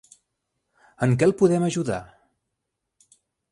En què el podem ajudar?